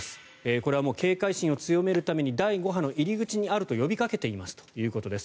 これはもう警戒心を強めるために第５波の入り口にあると呼びかけていますということです。